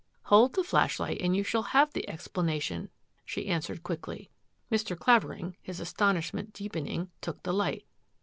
" Hold the flashlight and you shall have the ex planation," she answered quickly. Mr. Clavering, his astonishment deepening, took the light.